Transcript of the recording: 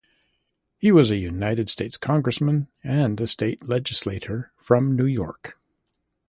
He was a United States Congressman and a state legislator from New York.